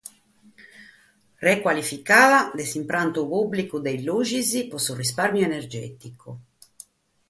Ricualificatzione de s'impiantu pùblicu de is lughes pro su rispàrmiu energèticu.